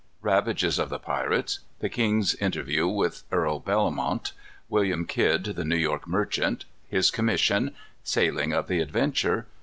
_ Ravages of the Pirates. The King's Interview with Earl Bellomont. William Kidd, the New York Merchant. His Commission. Sailing of the Adventure.